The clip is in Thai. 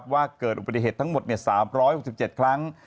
ว่าเกิดอุบัติเหตุทั้งหมด๓๖๗ครั้ง